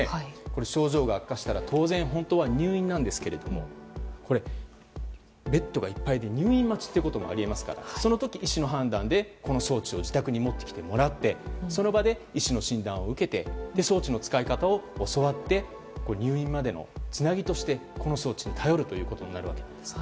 症状が悪化したら当然、本当は入院ですがベッドがいっぱいで入院待ちということもあり得ますからその時、医師の判断でこの装置を自宅に持ってきてもらってその場で医師の診断を受けて装置の使い方を教わって入院までのつなぎとしてこの装置に頼るということになるわけです。